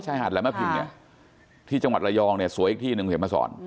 ชายหาดแหลมพิมเนี่ยที่จังหวัดรายองเนี่ยสวยอีกที่ที่๑เสมอศร